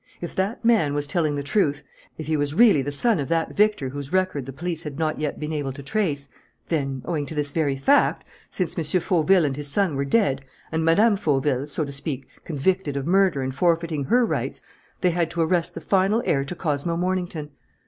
If that man was telling the truth, if he was really the son of that Victor whose record the police had not yet been able to trace, then, owing to this very fact, since M. Fauville and his son were dead and Mme. Fauville, so to speak, convicted of murder and forfeiting her rights, they had arrested the final heir to Cosmo Mornington.